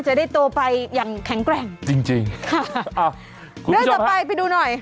จะได้โตไปอย่างแข็งแกร่งจริงจริงค่ะอ่าเรื่องต่อไปไปดูหน่อย